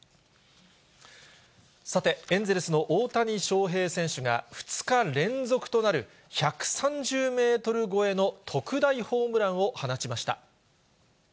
さて、エンゼルスの大谷翔平選手が、２日連続となる１３０メートル超えの特大ホームランを放ちました。